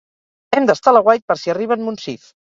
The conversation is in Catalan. Hem d'estar a l'aguait per si arriba en Monsif.